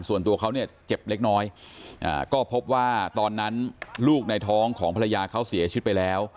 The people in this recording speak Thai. ส่วนตัวเขาเนี่ยเจ็บเล็กน้อยก็พบว่าตอนนั้นลูกในท้องของภรรยาเขาเสียชีวิตไปแล้ว